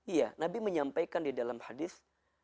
iya nabi menyampaikan di dalam hadis